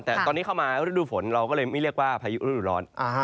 แต่ตอนนี้เข้ามาฤดูฝนเราก็เลยไม่เรียกว่าพายุฤดูร้อน